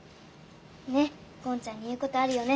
ねっゴンちゃんに言うことあるよね。